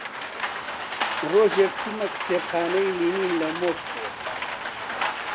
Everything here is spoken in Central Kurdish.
ڕۆژێک چوومە کتێبخانەی لێنین لە مۆسکۆ